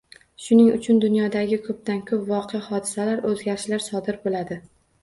Shuning uchun, dunyodagi ko’pdan-ko’p voqea-hodisalar, o’zgarishlar sodir bo'ladi.